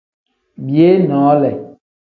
Biyee noole.